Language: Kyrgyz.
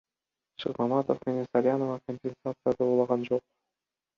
Шыкмаматов менен Салянова компенсация доолаган жок.